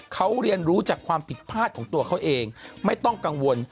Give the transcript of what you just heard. เขาเรียนรู้จากความผิดพลาดของตัวเขาเองไม่ต้องกังวล